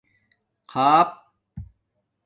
خاپ